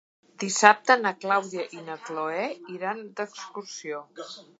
Dissabte na Clàudia i na Cloè iran d'excursió.